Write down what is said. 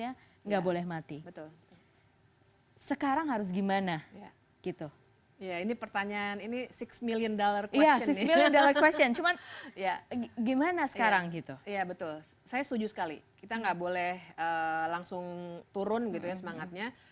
iya betul saya setuju sekali kita nggak boleh langsung turun gitu ya semangatnya